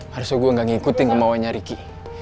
harusnya gue ga ngikutin kemauannya riki